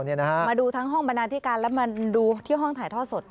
มาดูทั้งห้องบรรณาธิการแล้วมาดูที่ห้องถ่ายทอดสด